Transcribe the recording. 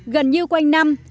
gần như quanh năm